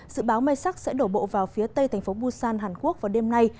dự báo mây sắc sẽ đổ bộ vào phía tây thành phố busan hàn quốc vào đêm nay